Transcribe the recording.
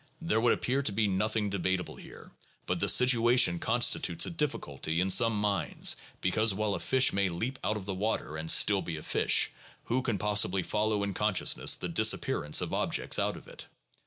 There would appear to be nothing debatable here, but the situation constitutes a difficulty in some minds because while a fish may leap out of the water and be still a fish, who can possibly follow in consciousness the disappearance of objects out of it?